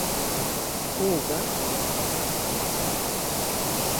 Mpuuga bwe yakikkaatirizza.